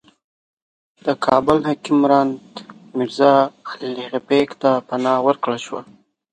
د کابل حکمران میرزا الغ بېګ ته پناه ورکړل شوه.